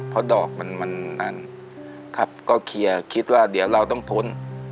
เพราะดอกมันมันนานครับก็เคลียร์คิดว่าเดี๋ยวเราต้องพ้น